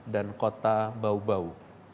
dan kota baubau